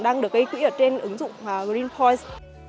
đang được gây quỹ ở trên ứng dụng green points